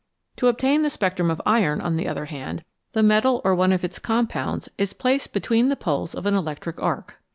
To obtain the spectrum of iron, on the other hand, the metal or one of its compounds is placed between the poles of an electric arc.